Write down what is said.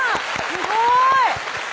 すごーい！